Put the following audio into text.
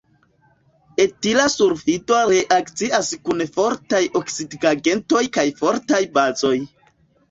Etila sulfido reakcias kun fortaj oksidigagentoj kaj fortaj bazoj.